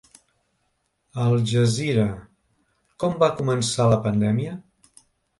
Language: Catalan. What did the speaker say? Aljazeera: Com va començar la pandèmia?